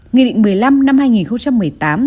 nghị định một mươi năm năm hai nghìn một mươi tám